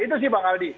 itu sih pak aldi